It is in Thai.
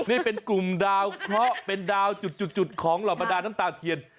นี่เป็นกลุ่มดาวเคาะเป็นดาวจุดจุดของหลับบรรดาต้านต่างเทียน